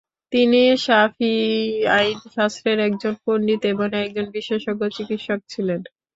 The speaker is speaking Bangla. তিনি শাফিঈ আইনশাস্ত্রের একজন পন্ডিত এবং একজন বিশেষজ্ঞ চিকিৎসক ছিলেন।